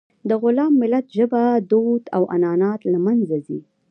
د غلام ملت ژبه، دود او عنعنات له منځه ځي.